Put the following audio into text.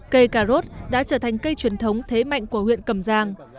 cây cà rốt đã trở thành cây truyền thống thế mạnh của huyện cầm giang